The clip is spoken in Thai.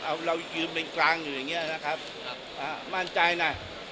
เอาเรายืนเป็นกลางอยู่อย่างนี้นะครับมั่นใจนะ